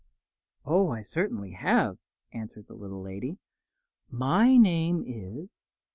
"Oh, I certainly have," answered the little lady. "My name is